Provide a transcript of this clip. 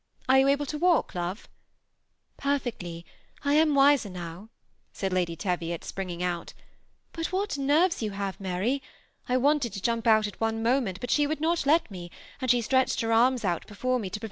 Are jou able to walk, love ?"" Perfectly, I am wiser now," said Lady Teviot, springing out ;^ but what nerves you have, Mary ! I wanted to jump out at one moment, but she would not let me, and she stretched her arms out before me to pre?